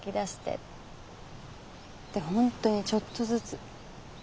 本当にちょっとずつ。